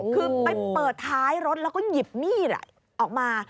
คือไปเปิดท้ายรถแล้วก็หยิบมีดออกมา